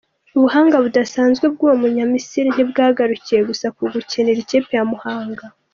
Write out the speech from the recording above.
Ubuhanga budasanzwe bw'uwo munyamisiri ntibwagarukiye gusa ku gukinira ikipe ye mu mahanga.